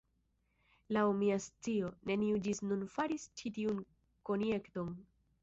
Laŭ mia scio, neniu ĝis nun faris ĉi tiun konjekton.